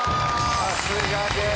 さすがです。